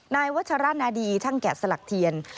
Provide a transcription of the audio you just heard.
วัชรนาดีช่างแกะสลักเทียน